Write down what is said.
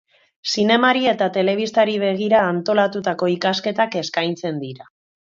Zinemari eta telebistari begira antolatutako ikasketak eskaintzen dira.